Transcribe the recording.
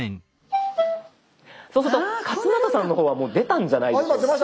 そうすると勝俣さんの方はもう出たんじゃないでしょうか。